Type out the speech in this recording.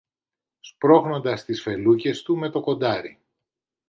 σπρώχνοντας τις φελούκες του με το κοντάρι.